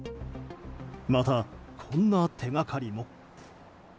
また、こんな手掛かりも。